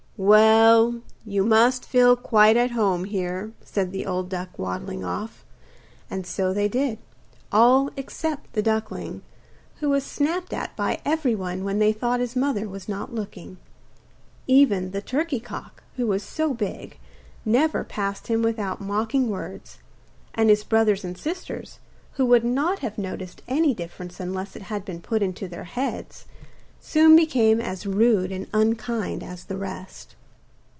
'Well, you must feel quite at home here,' said the old duck waddling off. And so they did, all except the duckling, who was snapped at by everyone when they thought his mother was not looking. Even the turkey cock, who was so big, never passed him without mocking words, and his brothers and sisters, who would not have noticed any difference unless it had been put into their heads, soon became as rude and unkind as the rest.